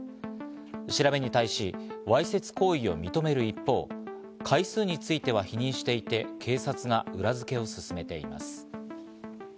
調べに対し、わいせつ行為を認める一方、回数については否認していて警察が裏付けを進めています。